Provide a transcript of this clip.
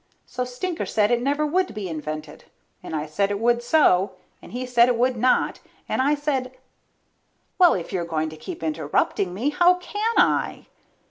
So Stinker said it never would be invented, and I said it would so, and he said it would not, and I said ... Well, if you're going to keep interrupting me, how can I